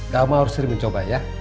kamu harus sering mencoba ya